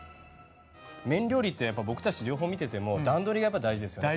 麺料理って僕たち両方見てても段取りがやっぱり大事ですよね。